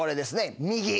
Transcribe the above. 右。